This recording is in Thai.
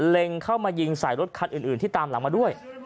เล็งเข้ามายิงใส่รถคันอื่นที่ตามหลังมาด้วย